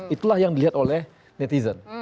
itulah yang dilihat oleh netizen